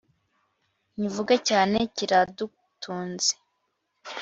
nkivuge cyane kiradutunze